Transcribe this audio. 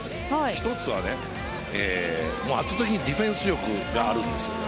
１つは、圧倒的にディフェンス力があるんです。